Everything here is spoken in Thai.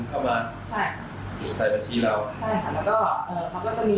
ประมาณ๓๔ครั้งค่ะประมาณวัน